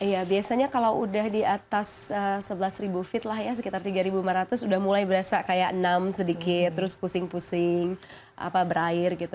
iya biasanya kalau udah di atas sebelas feet lah ya sekitar tiga lima ratus udah mulai berasa kayak enam sedikit terus pusing pusing berair gitu